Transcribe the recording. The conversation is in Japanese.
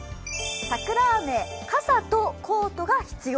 桜雨、傘とコートが必要。